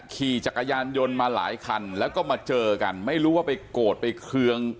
ขี่จักรยานยนต์มาหลายคันแล้วก็มาเจอกันไม่รู้ว่าไปโกรธไปเคือง